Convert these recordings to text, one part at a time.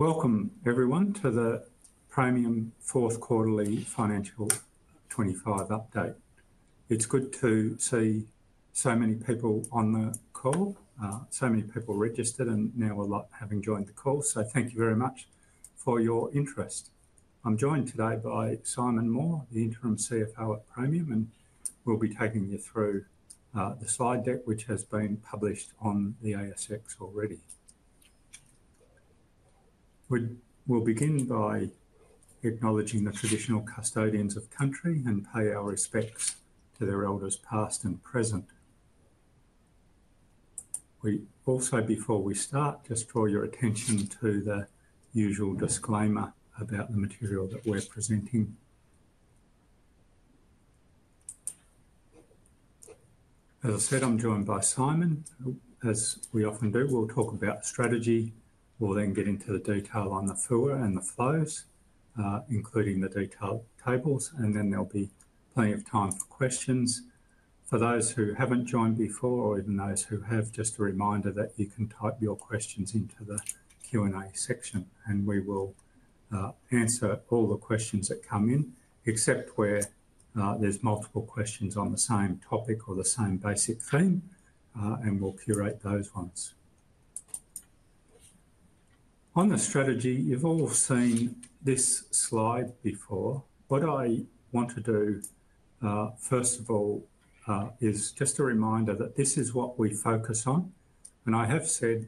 Welcome everyone to the Praemium 4th quarterly financial 2025 update. It's good to see so many people on the call, so many people registered, and now a lot having joined the call. Thank you very much for your interest. I'm joined today by Simon Moore, the Interim CFO at Praemium. We'll be taking you through the slide deck, which has been published on the ASX already. We will begin by acknowledging the traditional custodians of country and pay our respects to their elders, past and present. Before we start, just draw your attention to the usual disclaimer about the material that we're presenting. As I said, I'm joined by Simon, as we often do, we'll talk about strategy. We'll then get into the detail on the FUA and the flows, including the detailed tables. There'll be plenty of time for questions for those who haven't joined before or even those who have. Just a reminder that you can type your questions into the Q&A section and we will answer all the questions that come in, except where there's multiple questions on the same topic or the same basic theme, and we'll curate those ones on the strategy. You've all seen this slide before. What I want to do, first of all, is just a reminder that this is what we focus on. I have said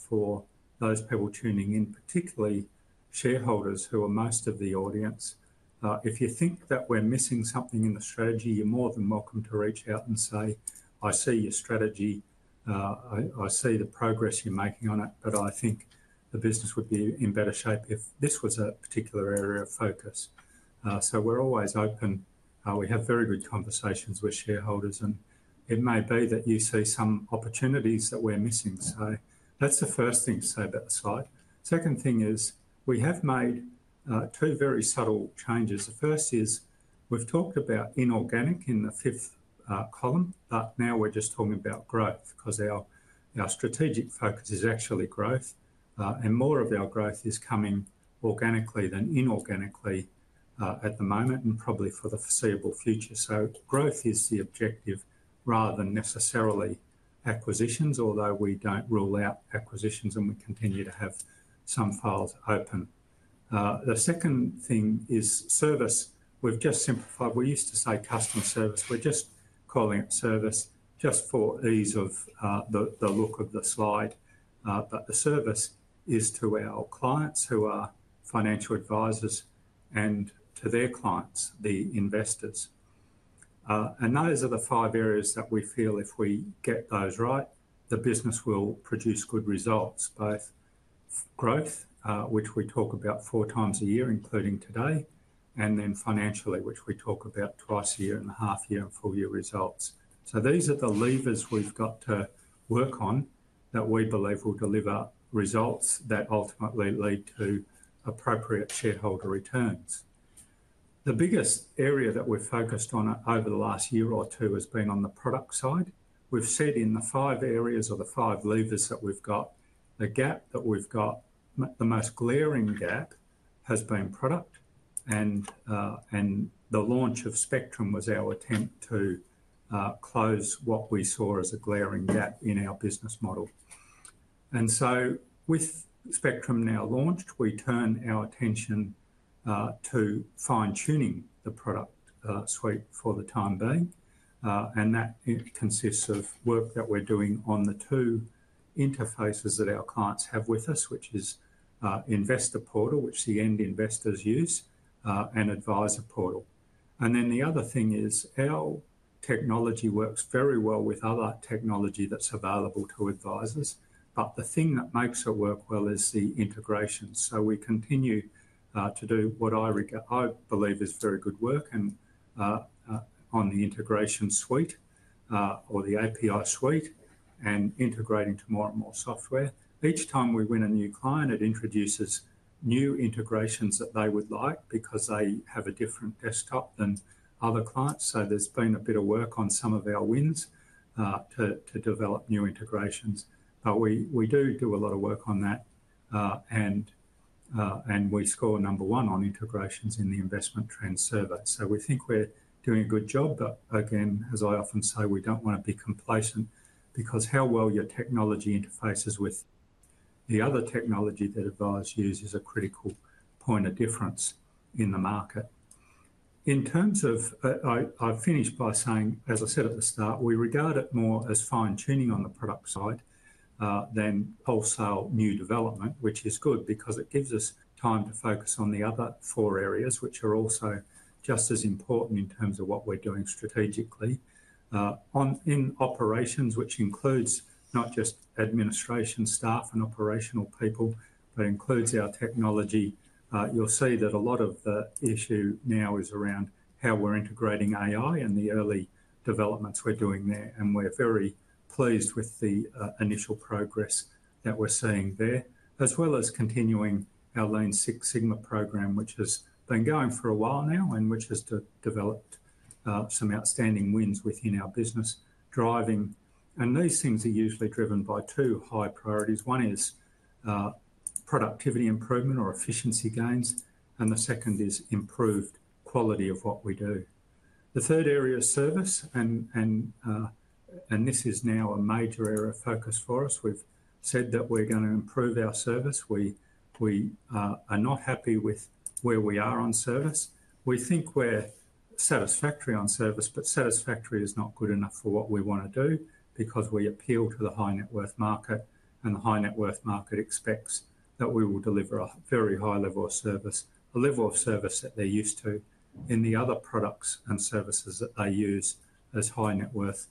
for those people tuning in, particularly shareholders who are most of the audience, if you think that we're missing something in the strategy, you're more than welcome to reach out and say, I see your strategy, I see the progress you're making on it, but I think the business would be in better shape if this was a particular area of focus. We're always open, we have very good conversations with shareholders, and it may be that you see some opportunities that we're missing. That's the first thing to say about the slide. Second thing is we have made two very subtle changes. The first is we've talked about inorganic in the fifth column, but now we're just talking about growth because our strategic focus is actually growth. More of our growth is coming organically than inorganically at the moment and probably for the foreseeable future. Growth is the objective rather than necessarily acquisitions, although we don't rule out acquisitions, and we continue to have some files open. The second thing is service. We've just simplified. We used to say customer service. We're just calling it service just for ease of the look of the slide. The service is to our clients, who are financial advisors, and to their clients, the investors. Those are the five areas that we feel if we get those right, the business will produce good results. Both growth, which we talk about four times a year, including today, and then financially, which we talk about twice a year at half year and full year results. These are the levers we've got to work on that we believe will deliver results that ultimately lead to appropriate shareholder returns. The biggest area that we've focused on over the last year or two has been on the product side. We've said in the five areas or the five levers that we've got, the gap that we've got, the most glaring gap has been product. The launch of Spectrum was our attempt to close what we saw as a glaring gap in our business model. With Spectrum now launched, we turn our attention to fine tuning the product suite for the time being. That consists of work that we're doing on the two interfaces that our clients have with us, which is Investor Portal, which the end investors use, and Advisor Portal. The other thing is our technology works very well with other technology that's available to advisers, but the thing that makes it work well is the integration. We continue to do what I believe is very good work on the integration suite or the API suite and integrating to more and more software. Each time we win a new client, it introduces new integrations that they would like because they have a different desktop than other clients. There's been a bit of work on some of our wins to develop new integrations. We do a lot of work on that and we score number one on integrations in the Investment Trends server. We think we're doing a good job. As I often say, we don't want to be complacent because how well your technology interfaces with the other technology that advisers use is a critical point of difference in the market. I finished by saying, as I said at the start, we regard it more as fine tuning on the product side than wholesale new development, which is good because it gives us time to focus on the other four areas which are also just as important in terms of what we're doing strategically in operations, which includes not just administration staff and operational people, but includes our technology. You'll see that a lot of the issue now is around how we're integrating AI and the early developments we're doing there. We are very pleased with the initial progress that we're seeing there, as well as continuing our Lean Six Sigma program, which has been going for a while now. It has developed some outstanding wins within our business driving. These things are usually driven by two high priorities. One is productivity improvement or efficiency gains, and the second is improved quality of what we do. The third area is service, and this is now a major area of focus for us. We've said that we're going to improve our service. We are not happy with where we are on service. We think we're satisfactory on service, but satisfactory is not good enough for what we want to do because we appeal to the high net worth market, and the high net worth market expects that we will deliver a very high level of service, a level of service that they're used to in the other products and services that they use as high net worth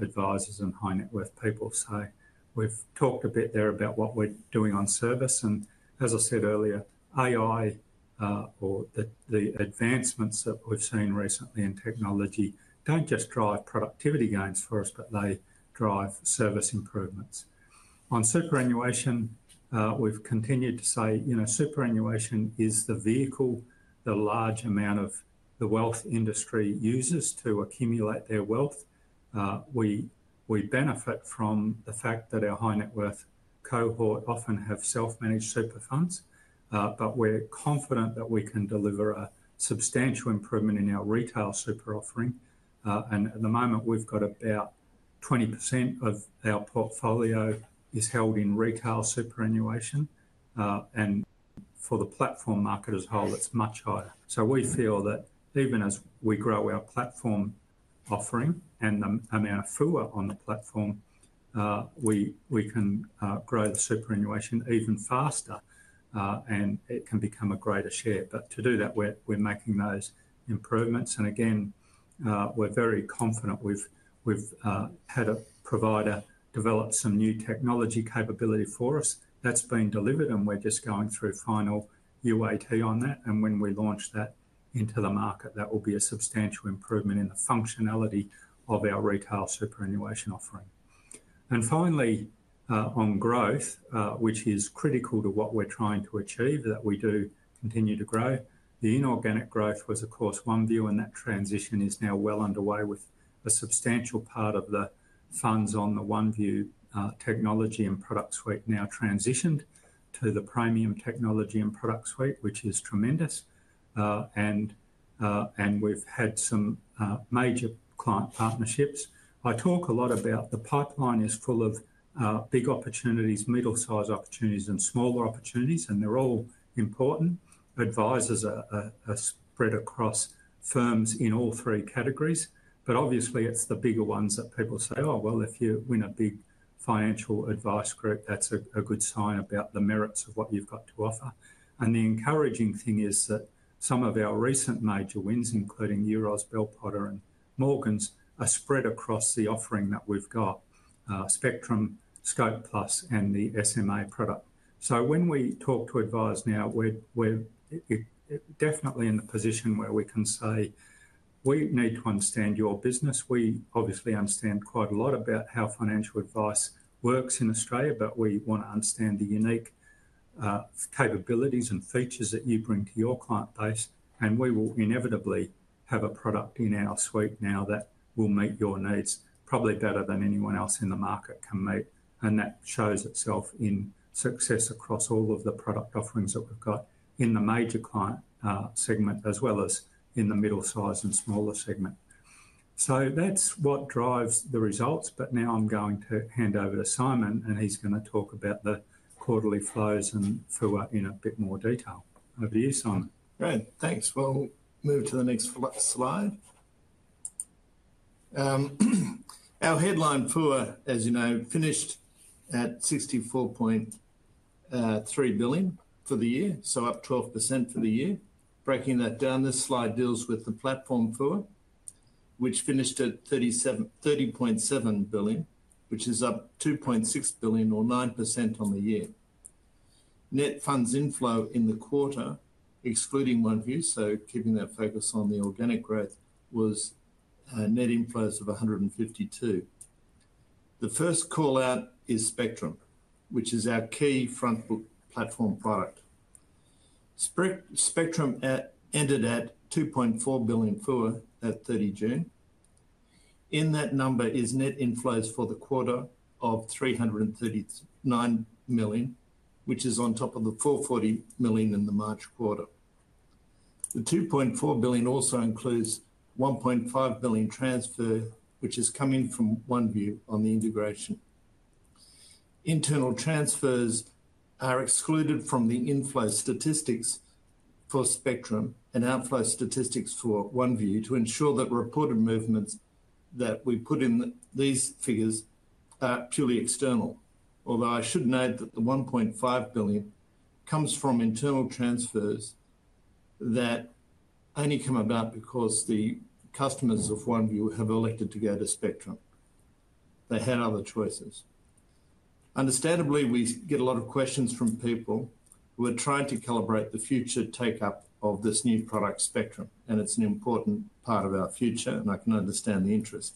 advisors and high net worth people. We've talked a bit there about what we're doing on service, and as I said earlier, AI or the advancements that we've seen recently in technology don't just drive productivity gains for us, but they drive service improvements. On superannuation, we've continued to say superannuation is the vehicle the large amount of the wealth industry uses to accumulate their wealth. We benefit from the fact that our high net worth cohort often have self managed super funds. We're confident that we can deliver a substantial improvement in our retail super offering. At the moment, we've got about 20% of our portfolio held in retail superannuation, and for the platform market as a whole, it's much higher. We feel that even as we grow our platform offering and the amount of FUA on the platform, we can grow the superannuation even faster, and it can become a greater share. To do that, we're making those improvements, and again, we're very confident. We've had a provider develop some new technology capability for us that's been delivered, and we're just going through final UAT on that. When we launch that into the market, that will be a substantial improvement in the functionality of our retail superannuation offering. Finally, on growth, which is critical to what we're trying to achieve, we do continue to grow. The inorganic growth was of course OneVue and that transition is now well underway, with a substantial part of the Funds on the OneVue technology and product suite now transitioned to the Praemium technology and product suite, which is tremendous. We've had some major client partnerships I talk a lot about. The pipeline is full of big opportunities, middle size opportunities, and smaller opportunities. They're all important. Advisors are spread across firms in all three categories. Obviously, it's the bigger ones that people say, oh well, if you win a big financial advice group, that's a good sign about the merits of what you've got to offer. The encouraging thing is that some of our recent major wins, including Euroz Hartleys, Bell Potter, and Morgans, are spread across the offering that we've got: Spectrum, Scope+, and the SMA product. When we talk to advisors now, we're definitely in the position where we can say we need to understand your business. We obviously understand quite a lot about how financial advice works in Australia, but we want to understand the unique capabilities and features that you bring to your client base. We will inevitably have a product in our suite now that will meet your needs probably better than anyone else in the market can meet. That shows itself in success across all of the product offerings that we've got in the major client segment, as well as in the middle size and smaller segment. That's what drives the results. Now I'm going to hand over to Simon and he's going to talk about the quarterly flows and FUA in a bit more detail. Over to you, Simon. Great, thanks. We'll move to the next slide. Our headline FUA, as you know, finished at $64.3 billion for the year, so up 12% for the year. Breaking that down, this slide deals with the platform core, which finished at $30.7 billion, which is up $2.6 billion or 9% on the year. Net funds inflow in the quarter excluding OneVue, so keeping that focus on the organic growth, was net inflows of $152 million. The first call out is Spectrum, which is our key front book platform product. Spectrum ended at $2.4 billion FUA at 30 June. In that number is net inflows for the quarter of $339 million, which is on top of the $440 million in the March quarter. The $2.4 billion also includes a $1.5 billion transfer which has come in from OneVue on the integration. Internal transfers are excluded from the inflow statistics for Spectrum and outflow statistics for OneVue to ensure that reported movements that we put in these figures are purely external, although I should note that the $1.5 billion comes from internal transfers that only come about because the customers of OneVue have elected to go to Spectrum. They had other choices. Understandably, we get a lot of questions from people. We're trying to calibrate the future take up of this new product Spectrum and it's an important part of our future. I can understand the interest.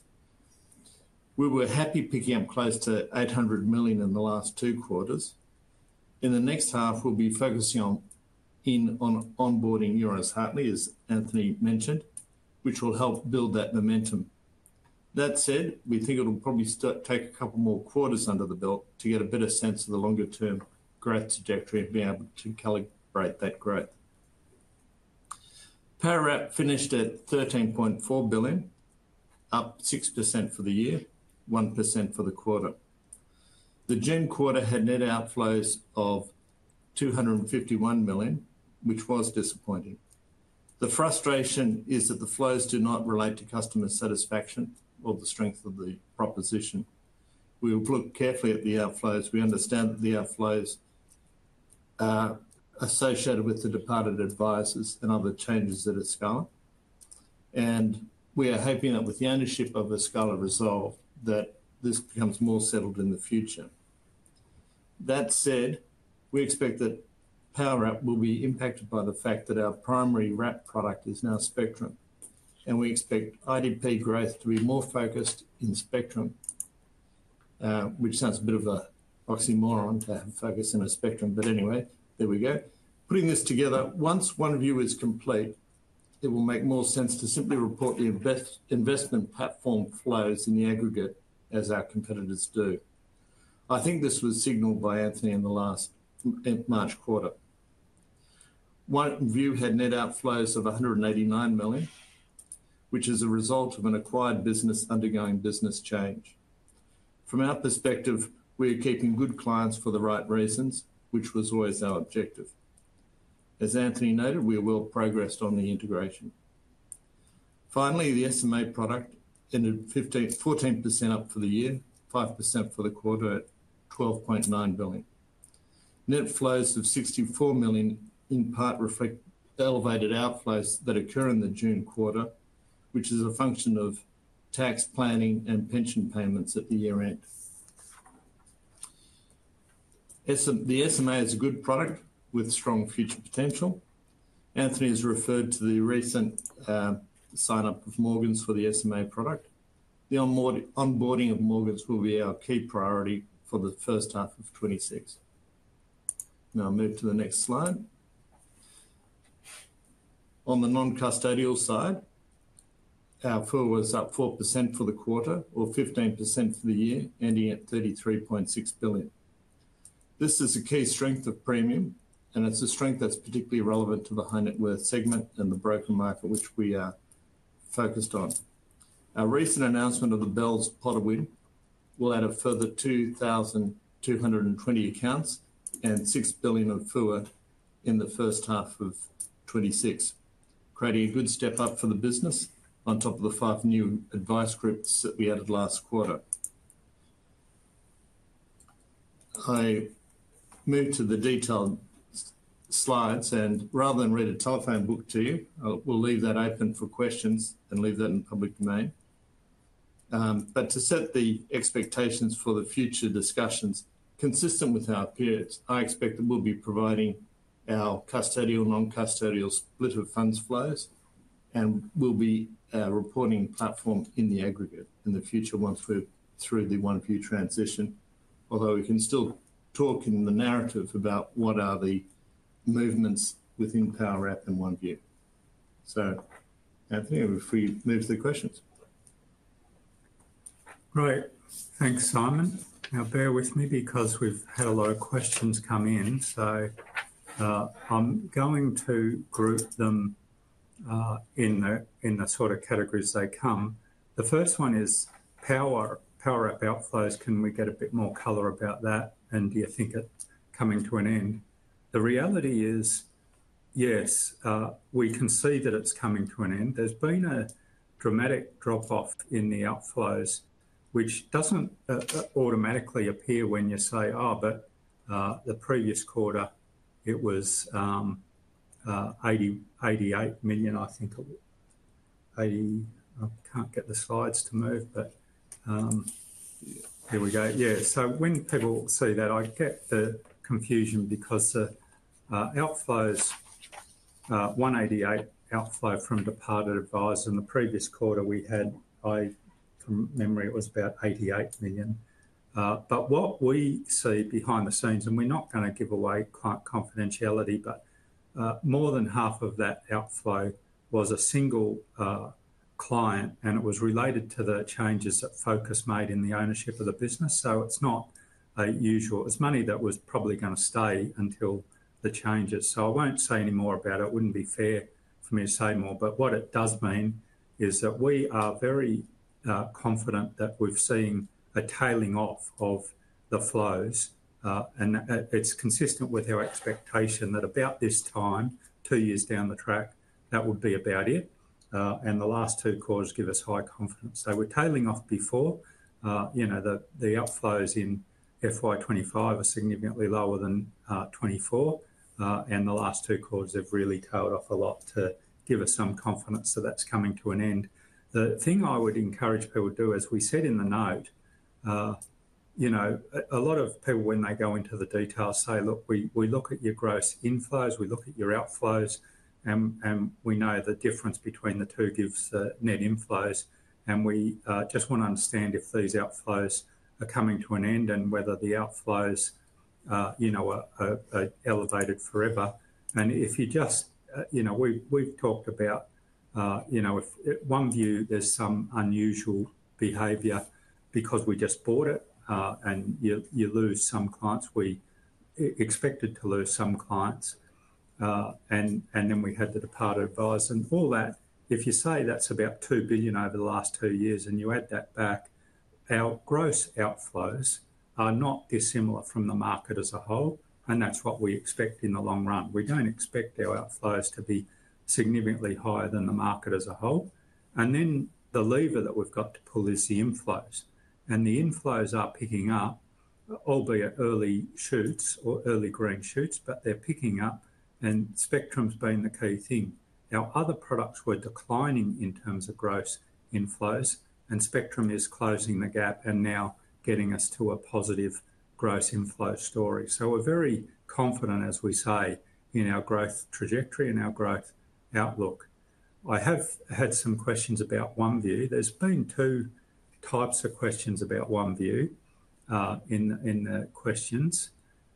We were happy picking up close to $800 million in the last two quarters. In the next half, we'll be focusing on onboarding Euroz Hartleys, as Anthony mentioned, which will help build that momentum. That said, we think it'll probably take a couple more quarters under the belt to get a better sense of the longer term growth trajectory and be able to calibrate that growth. Powerwrap finished at $13.4 billion, up 6% for the year, 1% for the quarter. The June quarter had net outflows of $251 million, which was disappointing. The frustration is that the flows do not relate to customer satisfaction or the strength of the proposition. We will look carefully at the outflows. We understand that the outflows are associated with the departed advisors and other changes that are Escala and we are hoping that with the ownership of Escala resolved, this becomes more settled in the future. That said, we expect that Powerwrap will be impacted by the fact that our primary RAP product is now Spectrum and we expect IDP growth to be more focused in Spectrum, which sounds a bit of an oxymoron to focus in a Spectrum, but anyway, there we go putting this together. Once OneVue is complete, it will make more sense to simply report the investment platform flows in the aggregate as our competitors do. I think this was signaled by Anthony. In the last March quarter, OneVue had net outflows of $189 million, which is a result of an acquired business undergoing business change. From our perspective, we are keeping good clients for the right reasons, which was always our objective. As Anthony noted, we are well progressed on the integration. Finally, the SMA product ended 14% up for the year, 5% for the quarter, at $12.9 billion. Net flows of $64 million in part reflect elevated outflows that occur in the June quarter, which is a function of tax planning and pension payments. At the year end, the SMA is a good product with strong future potential. Anthony has referred to the recent signup of Morgans for the SMA product. The onboarding of Morgans will be our key priority for the first half of 2024. Now move to the next slide. On the non-custodial side, our FUA was up 4% for the quarter or 15% for the year, ending at $33.6 billion. This is a key strength of Praemium and it's a strength that's particularly relevant to the high net worth segment and the broker network for which we are focused on. Our recent announcement of the Bell Potter win will add a further 2,220 accounts and $6 billion of FUA in first half of 2026, creating a good step up for the business. On top of the five new advice groups that we added last quarter, I move to the detonation slides and rather than read a telephone book to you, we'll leave that open for questions and leave that in public domain. To set the expectations for the future discussions consistent with our peers, I expect that we'll be providing our custodial and non-custodial split of funds flows and we'll be reporting platform in the aggregate in the future once we're through the OneVue transition. Although we can still talk in the narrative about what are the movements within Powerwrap and OneVue. So Anthony, if we move to the questions. Great. Thanks, Simon. Now bear with me because we've had a lot of questions come in, so I'm going to group them in the sort of categories they come. The first one is Powerwrap outflows. Can we get a bit more color about that and do you think it is coming to an end? The reality is yes, we can see that it's coming to an end. There's been a dramatic drop off in the outflows, which doesn't automatically appear when you say, oh, but the previous quarter it was $88 million, I think. I can't get the slides to move, but here we go. Yeah, so when people see that, I get the confusion because the outflows, $188 million outflow from departed advisor in the previous quarter, we had, from memory, it was about $88 million, but what we see behind the scenes, and we're not going to give away client confidentiality, but more than half of that outflow was a single client and it was related to the changes that Focus Group made in the ownership of the business. It's not a usual, it's money that was probably going to stay until the changes. I won't say any more about it. It wouldn't be fair for me to say more, but what it does mean is that we are very confident that we've seen a tailing off of the flows and it's consistent with our expectation that about this time, two years down the track, that would be about it. The last two quarters give us high confidence, so we're tailing off before you know that the outflows in FY2025 are significantly lower than 2024, and the last two quarters have really tailed off a lot to give us some confidence that that's coming to an end. The thing I would encourage people to do, as we said in the note, a lot of people when they go into the details, say, look, we look at your gross inflows, we look at your outflows, and we know the difference between the two gives net inflows. We just want to understand if these outflows are coming to an end and whether the outflows are elevated forever. If you just, we've talked about, if OneVue, there's some unusual behavior because we just bought it and you lose some clients. We expected to lose some clients. Then we had the departed advice and all that. If you say that's about $2 billion over the last two years and you add that back, our gross outflows are not dissimilar from the market as a whole. That's what we expect in the long run. We don't expect our outflows to be significantly higher than the market as a whole. The lever that we've got to pull is the inflows. The inflows are picking up, albeit early shoots or early green shoots, but they're picking up. Spectrum's been the key thing. Our other products were declining in terms of gross inflows, and Spectrum is closing the gap and now getting us to a positive gross inflow story. We're very confident, as we say, in our growth trajectory and our growth outlook. I have had some questions about OneVue. There's been two types of questions about OneVue in the questions.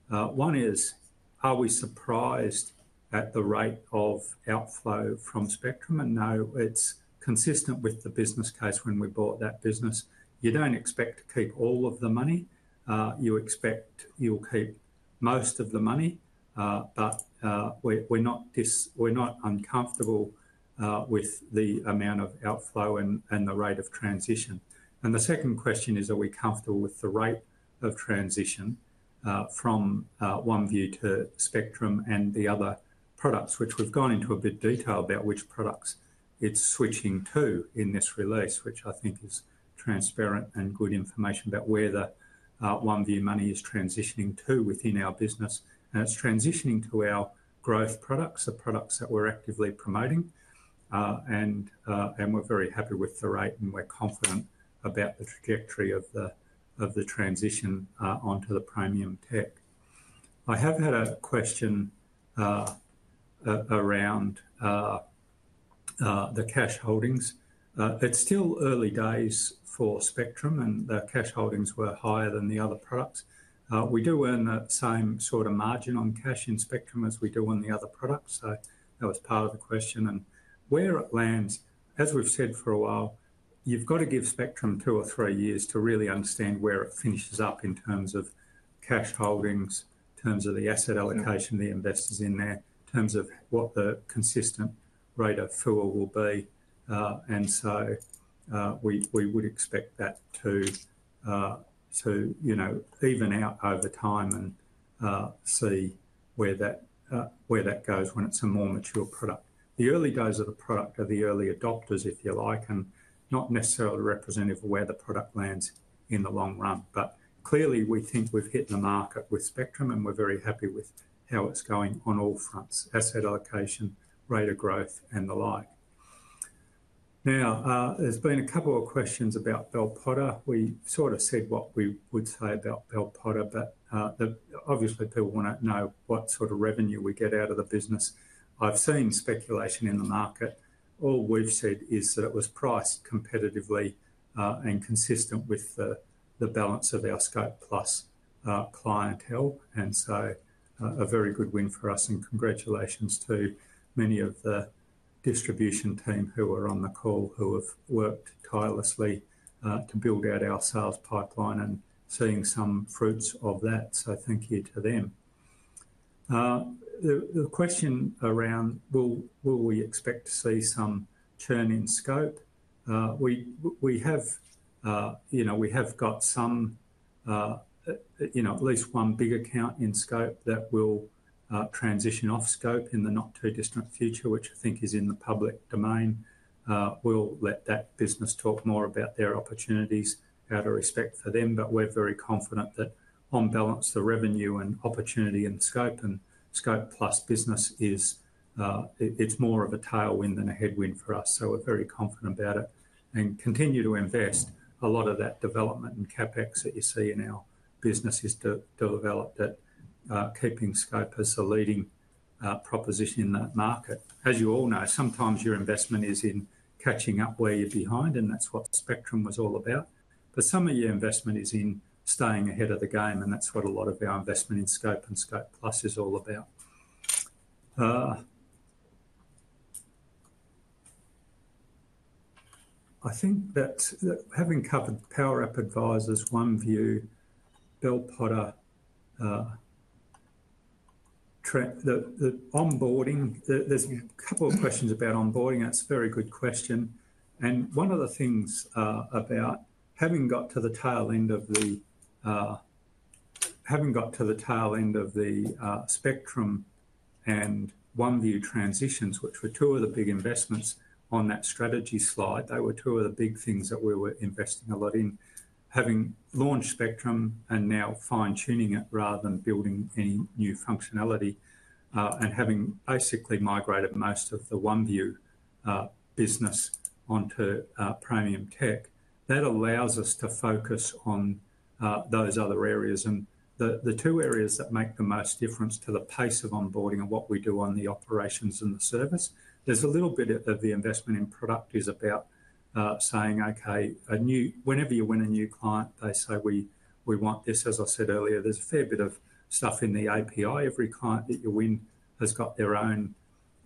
One is, are we surprised at the rate of outflow from Spectrum? No, it's consistent with the business case when we bought that business. You don't expect to keep all of the money. You expect you'll keep most of the money. We're not uncomfortable with the amount of outflow and the rate of transition. The second question is, are we comfortable with the rate of transition from OneVue to Spectrum and the other products, which we've gone into a bit detail about which products it's switching to in this release, which I think is transparent and good information about where the OneVue money is transitioning to within our business and it's transitioning to our growth products, the products that we're actively promoting, and we're very happy with the rate and we're confident about the trajectory of the transition onto the Praemium tech. I have had a question around the cash holdings. It's still early days for Spectrum, and the cash holdings were higher than the other products. We do earn that same sort of margin on cash in Spectrum as we do on the other products. That was part of the question. Where it lands, as we've said for a while, you've got to give Spectrum two or three years to really understand where it finishes up in terms of cash holdings, in terms of the asset allocation, the investors in there, in terms of what the consistent rate, greater FUA will be. We would expect that to even out over time and see where that goes when it's a more mature product. The early days of the product are the early adopters, if you like, and not necessarily representative of where the product lands in the long run. Clearly, we think we've hit the market with Spectrum and we're very happy with that, how it's going on all fronts, asset allocation, rate of growth and the like. There have been a couple of questions about Bell Potter. We sort of said what we would say about Bell Potter, but obviously people want to know what sort of revenue we get out of the business. I've seen speculation in the market. All we've said is that it was priced competitively and consistent with the balance of our Scope+ clientele. A very good win for us. Congratulations to many of the distribution team who are on the call, who have worked tirelessly to build out our sales pipeline and seeing some fruits of that. Thank you to them. The question around will we expect to see some churn in Scope? We have got at least one big account in Scope that will transition off Scope in the not too distant future, which I think is in the public domain. We'll let that business talk more about their opportunities out of respect for them. We're very confident that on balance the revenue and opportunity in Scope and Scope+ business is more of a tailwind than a headwind for us. We're very confident about it and continue to invest. A lot of that development and CapEx that you see in our business is to develop that, keeping Scope as a leading proposition in that market. As you all know, sometimes your investment is in catching up where you're behind and that's what Spectrum was all about. Some of your investment is in staying ahead of the game and that's what a lot of our investment in Scope and Scope+ is all about. I think that having covered Powerwrap Advisors, OneVue, Bell Potter, the onboarding. There's a couple of questions about onboarding. That's a very good question. One of the things about having got to the tail end of the Spectrum and OneVue transitions, which were two of the big investments on that strategy slide, they were two of the big things that we were investing a lot in. Having launched Spectrum and now fine tuning it rather than building any new functionality and having basically migrated most of the OneVue business onto Praemium tech, that allows us to focus on those other areas and the two areas that make the most difference to the pace of onboarding and what we do on the operations and the service. There's a little bit of the investment in product is about saying, okay, whenever you win a new client, they say, we want this. As I said earlier, there's a fair bit of stuff in the API. Every client that you win has got their own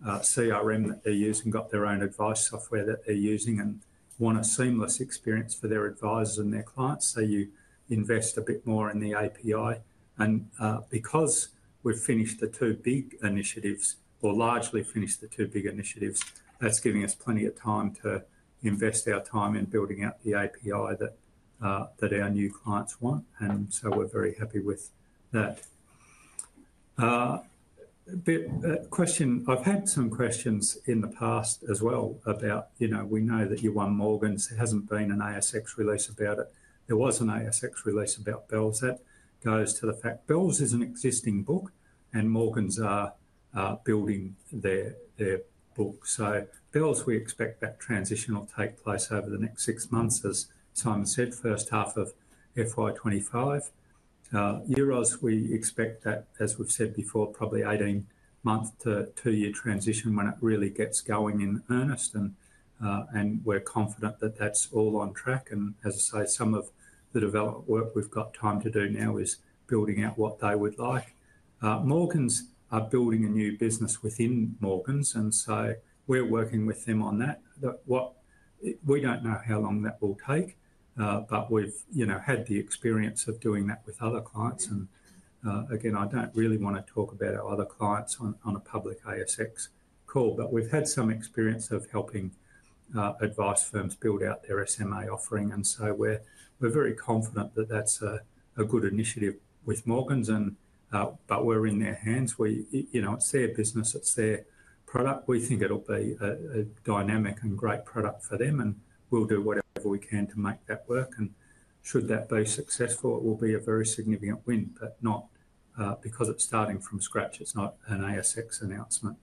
CRM that they use and got their own advice software that they're using and want a seamless experience for their advisors and their clients. You invest a bit more in the API. Because we've finished the two big initiatives, or largely finished the two big initiatives, that's giving us plenty of time to invest our time in building out the API that our new clients want. We're very happy with that. Question. I've had some questions in the past as well about, you know, we know that you won Morgans. There hasn't been an ASX release about it. There was an ASX release about Potter. That goes to the fact Bell is an existing book and Morgans are building their book. Bell, we expect that transition will take place over the next six months. As Simon said, first half of FY2025. Euroz, we expect that, as we've said before, probably 18 month to two year transition when it really gets going in earnest, and we're confident that that's all on track. As I say, some of the development work we've got time to do now is building out what they would like. Morgans are building a new business within Morgans and we're working with them on that. We don't know how long that will take, but we've had the experience of doing that with other clients and again, I don't really want to talk about our other clients on a public ASX. Cool. We've had some experience of helping advice firms build out their SMA product offering and we're very confident that that's a good initiative with Morgans. We're in their hands. It's their business, it's their product. We think it'll be a dynamic and great product for them and we'll do whatever we can to make that work. Should that be successful, it will be a very significant win, but not because it's starting from scratch. It's not an ASX announcement.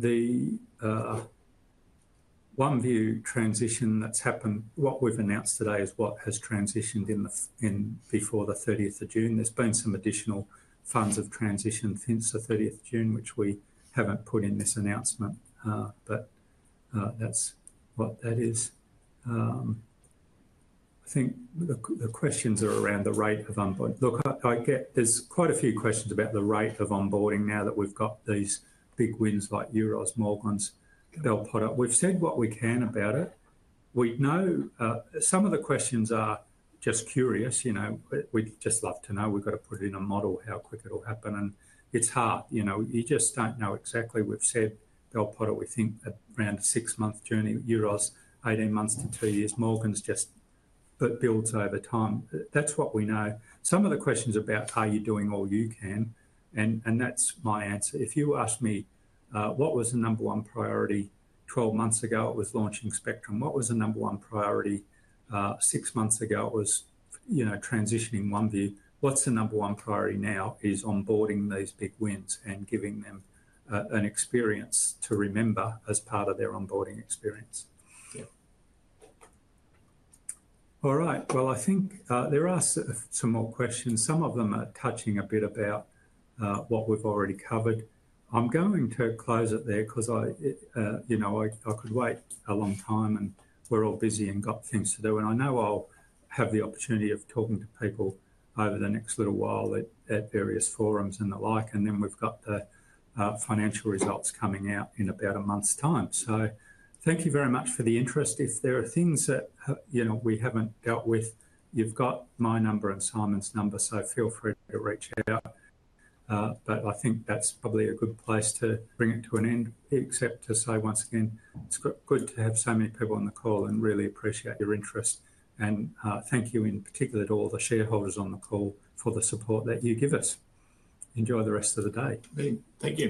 The OneVue transition that's happened, what we've announced today is what has transitioned before the 30th of June. There's been some additional funds of transition since the 30th of June, which we haven't put in this announcement, but that's what that is. I think the questions are around the rate of onboarding. Look, I get there's quite a few questions about the rate of onboarding now that we've got these big wins like Euroz, Morgans, they'll put up. We've said what we can about it. We know some of the questions are just curious, you know, we'd just love to know. We've got to put it in a model, how quick it'll happen. It's hard, you know, you just don't know exactly. We've said Bell Potter, we think around a six month journey, Euroz, 18 months to two years. Morgans just builds over time. That's what we know. Some of the questions about how you're doing all you can and that's my answer, if you ask me. What was the number one priority? Twelve months ago it was launching Spectrum. What was the number one priority? Six months ago it was transitioning OneVue. What's the number one priority now is onboarding these big wins and giving them an experience to remember as part of their onboarding experience. I think there are some more questions. Some of them are touching a bit about what we've already covered. I'm going to close it there because I could wait a long time and we're all busy and got things to do and I know I'll have the opportunity of talking to people over the next little while at various forums and the like. We've got the financial results coming out in about a month's time. Thank you very much for the interest. If there are things that, you know, we haven't dealt with, you've got my number and Simon's number, so feel free to reach out. I think that's probably a good place to bring it to an end. Once again, it's good to have so many people on the call and really appreciate your interest, and thank you in particular to all the shareholders on the call for the support that you give us. Enjoy the rest of the day. Thank you.